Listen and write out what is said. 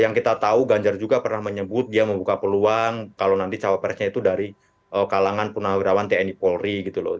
yang kita tahu ganjar juga pernah menyebut dia membuka peluang kalau nanti cawapresnya itu dari kalangan purnawirawan tni polri gitu loh